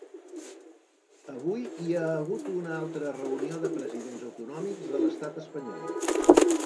Avui hi ha hagut una altra reunió de presidents autonòmics de l’estat espanyol.